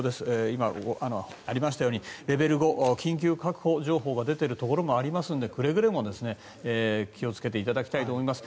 今、ありましたようにレベル５、緊急安全確保が出ているところもありますのでくれぐれも気をつけていただきたいと思います。